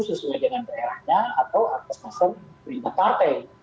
sesuai dengan daerahnya atau atas dasar perintah partai